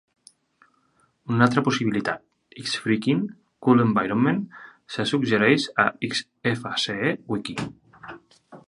Una altra possibilitat "X Freakin' Cool Environment" se suggereix a Xfce Wiki.